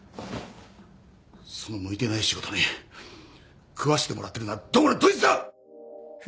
その向いてない仕事に食わせてもらってるのはどこのどいつだ！